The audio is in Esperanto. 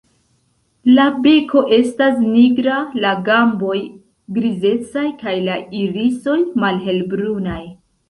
La beko estas nigra, la gamboj grizecaj kaj la irisoj malhelbrunaj.